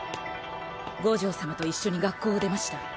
五条様と一緒に学校を出ました。